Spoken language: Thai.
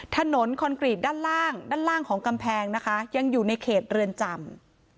คอนกรีตด้านล่างด้านล่างของกำแพงนะคะยังอยู่ในเขตเรือนจำ